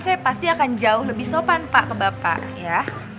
saya pasti akan jauh lebih sopan pak ke bapak ya